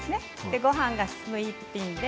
ごはんが進む一品です。